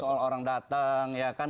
soal orang datang ya kan